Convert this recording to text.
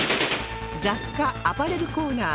雑貨・アパレルコーナー